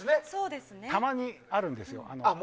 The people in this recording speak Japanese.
たまに、あるんですよ。